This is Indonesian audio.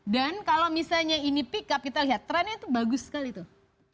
dan kalau misalnya ini pick up kita lihat trendnya itu bagus sekali tuh